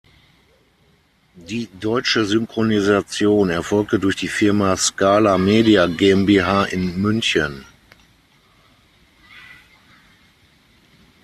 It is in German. Die deutsche Synchronisation erfolgte durch die Firma Scala Media GmbH in München.